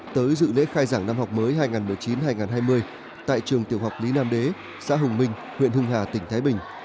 tới dự lễ khai giảng năm học mới hai nghìn một mươi chín hai nghìn hai mươi tại trường tiểu học lý nam đế xã hùng minh huyện hưng hà tỉnh thái bình